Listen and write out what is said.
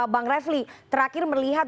bang refli terakhir melihat